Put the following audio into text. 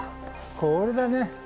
これだね。